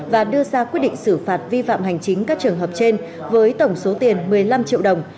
và đưa ra quyết định xử phạt vi phạm hành chính các trường hợp trên với tổng số tiền một mươi năm triệu đồng